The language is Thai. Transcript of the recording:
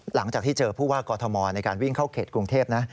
หลังจากที่เจอผู้ว่ากอทมในการวิ่งเข้าเขตกรุงเทพนะ